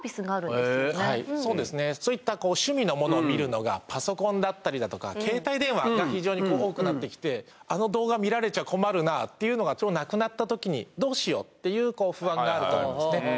そういった趣味のものを見るのがパソコンだったりだとか携帯電話が非常に多くなってきてあの動画見られちゃ困るなあっていうのが亡くなったときにどうしようっていう不安があると思うんです